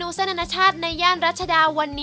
ก็เลยเริ่มต้นจากเป็นคนรักเส้น